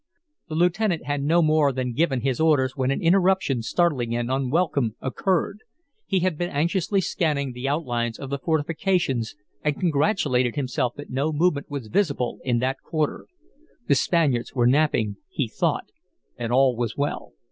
The lieutenant had no more than given his orders when an interruption, startling and unwelcome, occurred. He had been anxiously scanning the outlines of the fortifications and congratulated himself that no movement was visible in that quarter. The Spaniards were napping, he thought, and all was well.